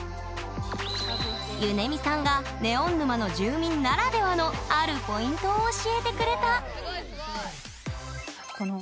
ゆねみさんがネオン沼の住民ならではのあるポイントを教えてくれた！